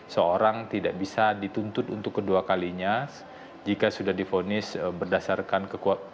seorang tidak bisa dituntut untuk kedua kalinya jika sudah difonis berdasarkan kekuatan